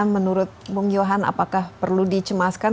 menurut bung johan apakah perlu dicemaskan